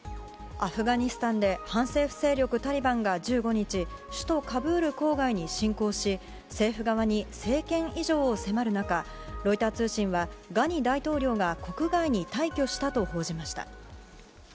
アフガニスタンで反政府勢力タリバンが１５日首都カブール郊外に進攻し政府側に政権移譲を迫る中ロイター通信は、ガニ大統領が国外に退去したと報じました。